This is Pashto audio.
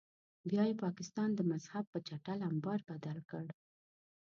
بیا یې پاکستان د مذهب په چټل امبار بدل کړ.